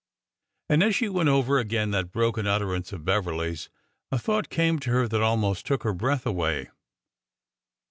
And as she went over again that broken utter ance of Beverly's, a thought came to her that almost took her breath away.